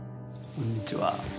こんにちは。